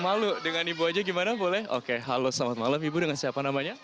malu dengan ibu aja gimana boleh oke halo selamat malam ibu dengan siapa namanya